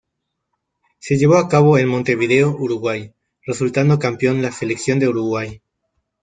Se llevó a cabo en Montevideo, Uruguay, resultando campeón la selección de Uruguay.